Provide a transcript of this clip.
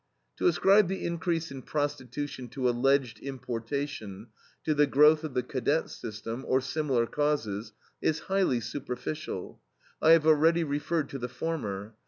To ascribe the increase in prostitution to alleged importation, to the growth of the cadet system, or similar causes, is highly superficial. I have already referred to the former.